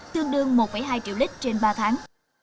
tương đương một hai triệu lít trên ba tháng